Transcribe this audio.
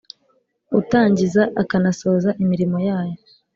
utangiza akanasoza imirimo yayo